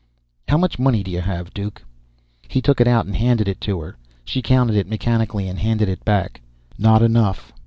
How much money do you have, Duke?" He took it out and handed it to her. She counted it mechanically and handed it back. "Not enough.